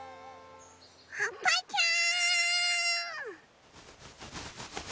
はっぱちゃん！